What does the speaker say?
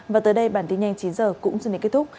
và tới đây bản tin nhanh chín h cũng xin đến kết thúc